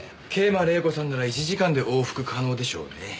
桂馬麗子さんなら１時間で往復可能でしょうね。